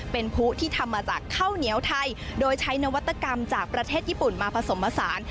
เป็นผู้ที่ทำมาจากข้าวเหนียวไทยโดยใช้นวัตกรรมจากประเทศญี่ปุ่นมาผสมผสาน